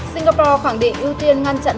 singapore khẳng định ưu tiên ngăn chặn